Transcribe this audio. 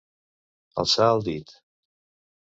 Alçar el dit.